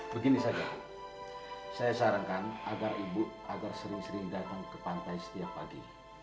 begini saja saya sarankan agar ibu agar sering sering datang ke pantai setiap pagi